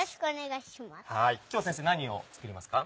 今日は先生何を作りますか？